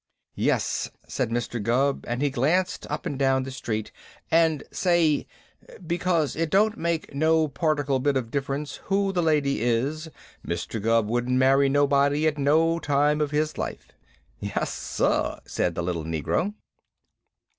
"Yes," said Mr. Gubb, and he glanced up and down the street. "And say ' because it don't make no particle bit of difference who the lady is, Mister Gubb wouldn't marry nobody at no time of his life.'" "Yassah!" said the little negro.